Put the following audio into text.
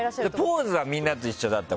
ポーズはみんなと一緒だった。